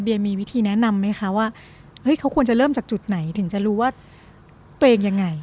มีวิธีแนะนำไหมคะว่าเฮ้ยเขาควรจะเริ่มจากจุดไหนถึงจะรู้ว่าตัวเองยังไง